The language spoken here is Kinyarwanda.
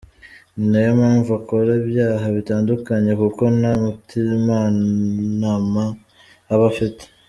Ni na yo mpamvu akora ibyaha bitandukanye kuko nta mutimanama aba afite."